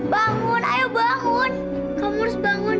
bangun ayo bangun kamu harus bangun